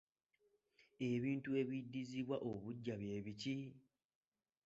Ebintu ebiddizibwa obuggya bye biki?